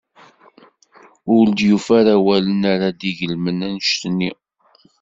Ur d-tufi ara awalen ara d-igelmen anect-nni.